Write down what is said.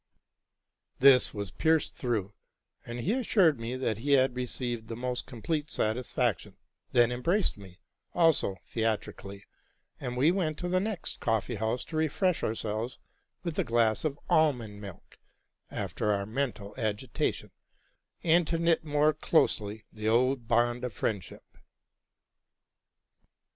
This was pierced through ; and he assured me that he had received the most complete satisfaction, then embraced me, also theatrically : and we went to the next coffee house to refresh ourselves with a glass of almond milk after our mental agitation, and to knit more closely the old bond of friendship.